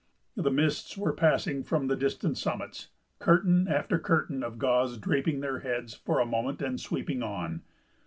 The mists were passing from the distant summits, curtain after curtain of gauze draping their heads for a moment and sweeping on.